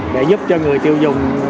để giúp cho người tiêu dùng